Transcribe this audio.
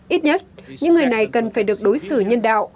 ít nhất những người này cần phải được đối xử nhân đạo